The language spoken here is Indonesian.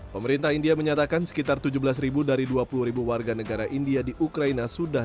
pemerintah india menyatakan sekitar tujuh belas dari dua puluh warga negara india di ukraina sudah